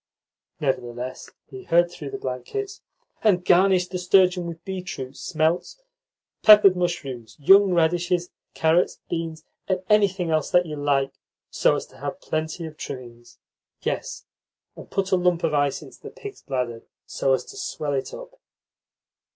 Nevertheless he heard through the blankets: "And garnish the sturgeon with beetroot, smelts, peppered mushrooms, young radishes, carrots, beans, and anything else you like, so as to have plenty of trimmings. Yes, and put a lump of ice into the pig's bladder, so as to swell it up."